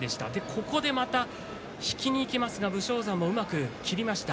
ここでまた引きにいきますが武将山、うまく切りました。